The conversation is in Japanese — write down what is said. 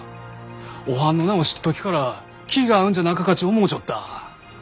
おはんの名を知った時から気が合うんじゃなかかち思うちょった。